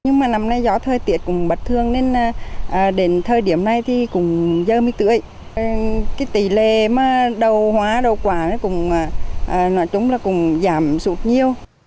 nhưng mà năm nay gió thơi